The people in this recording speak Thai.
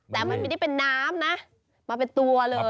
แต่มันไม่ได้เป็นน้ำนะมาเป็นตัวเลย